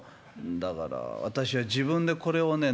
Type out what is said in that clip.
だから私は自分でこれをね